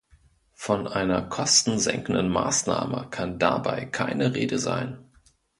Von einer kostensenkenden Maßnahme kann dabei keine Rede sein.